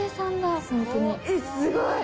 すごい！